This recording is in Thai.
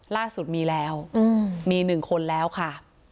ล่าสุดมีแล้วมี๑คนแล้วค่ะ